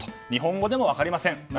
日本語でも分かりません。